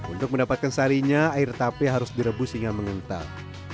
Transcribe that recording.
untuk mendapatkan sarinya air tape harus direbus hingga mengental